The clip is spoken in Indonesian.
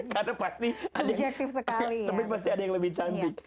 karena pasti ada yang lebih cantik